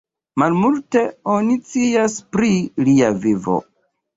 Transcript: Malmulte oni scias pri lia vivo.